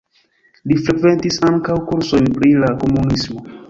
Li frekventis ankaŭ kursojn pri la komunismo.